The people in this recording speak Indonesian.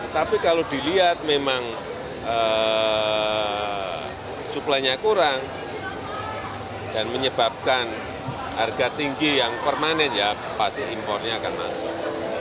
tapi kalau dilihat memang suplainya kurang dan menyebabkan harga tinggi yang permanen ya pasti impornya akan masuk